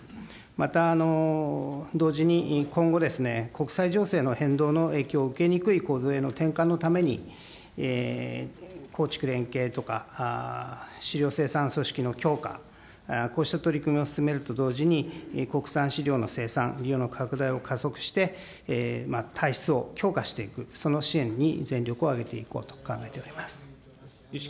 また、同時に今後、国際情勢の変動の影響を受けにくい構造への転換のために、耕畜連携とか、飼料生産組織の強化、こうした取り組みを進めると同時に、国産飼料の生産、利用の拡大を加速して、体質を強化していく、その支援に全力を挙げていこうと考えております。